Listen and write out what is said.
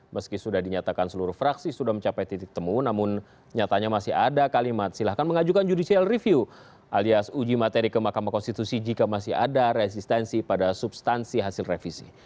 meski sudah dinyatakan seluruh fraksi sudah mencapai titik temu namun nyatanya masih ada kalimat silahkan mengajukan judicial review alias uji materi ke mahkamah konstitusi jika masih ada resistensi pada substansi hasil revisi